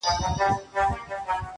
څنګه پردی سوم له هغي خاوري -